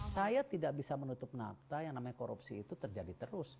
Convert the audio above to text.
saya tidak bisa menutup nafta yang namanya korupsi itu terjadi terus